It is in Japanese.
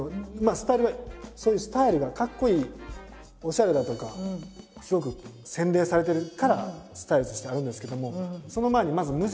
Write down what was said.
スタイルはそういうスタイルがかっこいいおしゃれだとかすごく洗練されてるからスタイルとしてあるんですけども。